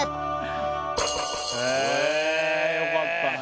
よかったね。